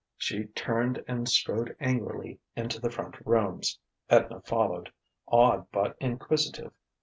She turned and strode angrily into the front rooms. Edna followed, awed but inquisitive.